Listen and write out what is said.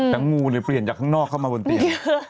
แต่งูหรือเปลี่ยนจากข้างนอกเข้ามาบนเตียง